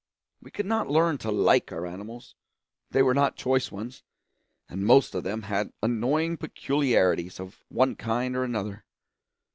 We could not learn to like our animals; they were not choice ones, and most of them had annoying peculiarities of one kind or another.